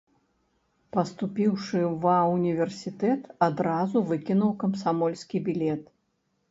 Паступіўшы ва ўніверсітэт, адразу выкінуў камсамольскі білет.